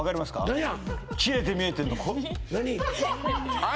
何や？